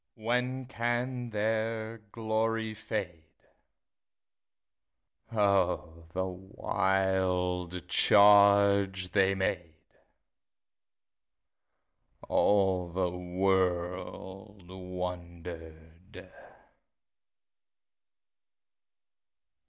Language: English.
When can their glory fade?O the wild charge they made! All the world wonder'd.